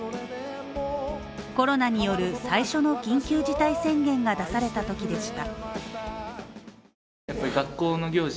コロナによる最初の緊急事態宣言が出されたときでした。